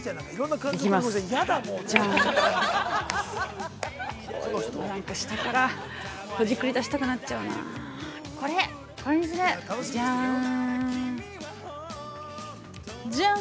なんか、下からほじくりだしたくなっちゃうなあ。